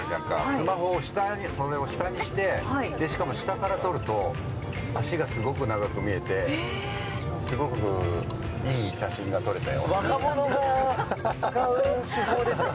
スマホを下にして、しかも下から撮ると足がすごく長く見えてすごくいい写真が撮れたよ。